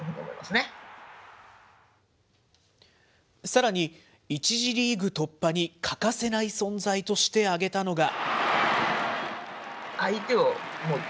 さらに、１次リーグ突破に欠かせない存在として挙げたのが。